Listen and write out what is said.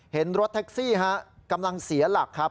เห็นรถแท็กซี่กำลังเสียหลักครับ